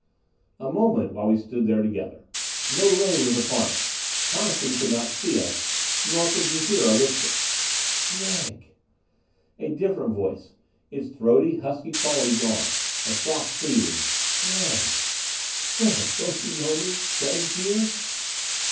A moment, while we stood there together. No ray was upon us. Coniston could not see us, nor could he hear our whispers. "Gregg." A different voice; its throaty, husky quality gone. A soft pleading. "Gregg "Gregg, don't you know me? Gregg, dear...."